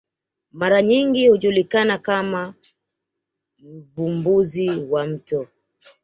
mara nyingi hujulikana kama mvumbuzi wa mto